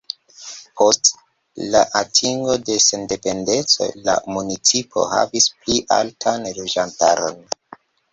Post la atingo de sendependeco la municipo havis pli altan loĝantaron.